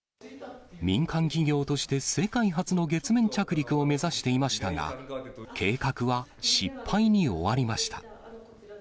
民間企業として世界初の月面着陸を目指していましたが、計画は失敗に終わりました。